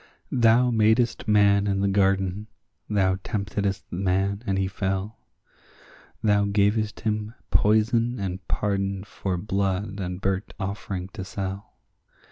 Thou madest man in the garden; thou temptedst man, and he fell; Thou gavest him poison and pardon for blood and burnt offering to sell.